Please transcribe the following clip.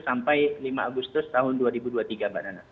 sampai lima agustus tahun dua ribu dua puluh tiga mbak nana